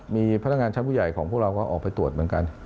มีพนักงานชั้นผู้ใหญ่ของพวกเราก็ออกไปตรวจเหมือนกัน